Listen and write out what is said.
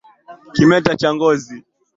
Kimeta cha ngozi